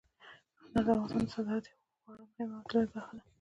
انار د افغانستان د صادراتو یوه خورا مهمه او لویه برخه ده.